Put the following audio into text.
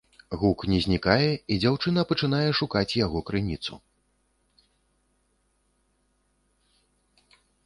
Гук не знікае, і дзяўчына пачынае шукаць яго крыніцу.